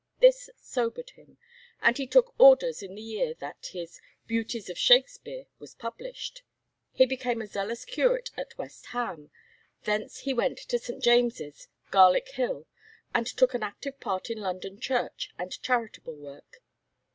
This sobered him, and he took orders in the year that his 'Beauties of Shakespeare' was published. He became a zealous curate at West Ham; thence he went to St. James', Garlick Hill, and took an active part in London church and charitable work.